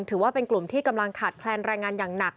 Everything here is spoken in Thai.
ถือว่าเป็นกลุ่มที่กำลังขาดแคลนแรงงานอย่างหนัก